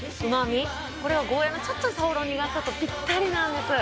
これがゴーヤのちょっとしたほろ苦さとぴったりなんです。